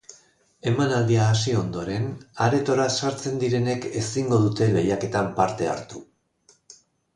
Emanaldia hasi ondoren, aretora sartzen direnek ezingo dute lehiaketan parte hartu.